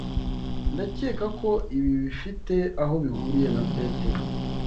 Ndakeka ko ibi bifite aho bihuriye na Petero.